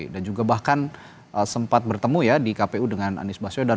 dan juga bahkan sempat bertemu ya di kpu dengan anies baswedan